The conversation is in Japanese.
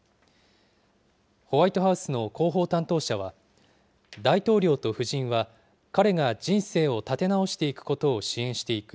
ホワイトハウスの広報担当者は、大統領と夫人は彼が人生を立て直していくことを支援していく。